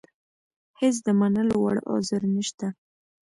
هېڅ د منلو وړ عذر نشته.